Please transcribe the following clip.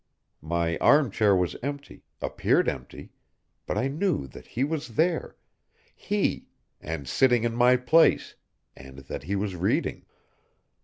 My armchair was empty, appeared empty, but I knew that he was there, he, and sitting in my place, and that he was reading.